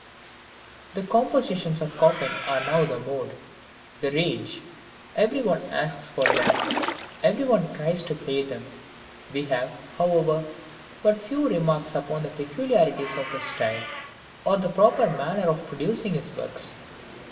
The compositions of Chopin are now the mode, the rage. Every one asks for them, every one tries to play them. We have, however, but few remarks upon the peculiarities of his style, or the proper manner of producing his works.